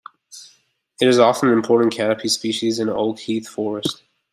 It is often an important canopy species in an oak-heath forest.